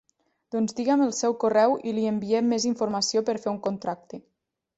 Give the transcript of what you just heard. Doncs diguem el seu correu i li enviem més informació per fer un contracte.